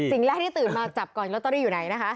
สิ่งแรกที่ตื่นมาจับก่อนลอตเตอรี่อยู่ไหนนะคะ